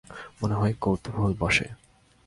মনে হয় কৌতূহল বশে।